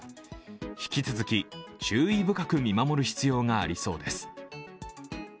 引き続き、注意深く見守る必要がありそうです。